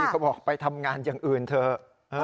เขาบอกไปทำงานอย่างอื่นเถอะ